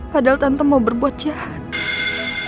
padahal tante mau berbuat jahat